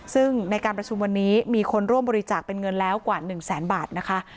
ซึ่งในการประชุมวันนี้มีคนร่วมบริจาคเป็นเงินแล้วกว่า๑แสนบาทนะคะ